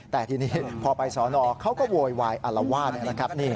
แต่ทีนี้พอไปสอนอเขาก็โวยวายอารวาสนะครับ